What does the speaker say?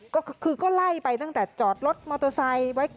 ก็คือก็ไล่ไปตั้งแต่จอดรถมอเตอร์ไซค์ไว้